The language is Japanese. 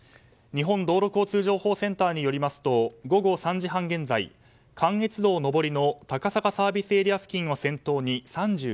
日本道路交通情報センターによりますと午後３時半現在関越道上りの高坂ＳＡ付近を先頭に３９ｋｍ。